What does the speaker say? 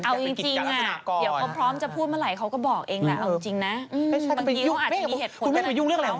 โอ้โฮแอ๊กเจ๊นี่ฉันเพิ่งมาจากรายการอื่นคนเขียนสิทธิ์คลิปข่าวคือหลัง